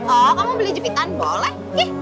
oh kamu beli jepitan boleh